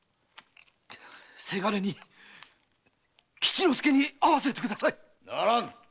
せがれに吉之助に会わせてください！ならぬ！